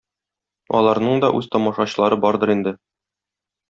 Аларның да үз тамашачылары бардыр инде.